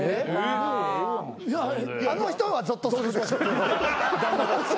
あの人はゾッとするでしょ。